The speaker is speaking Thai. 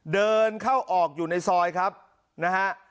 เดินเข้าออกอยู่ในซอยครับนะฮะ